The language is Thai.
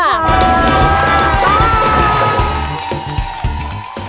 จั๋า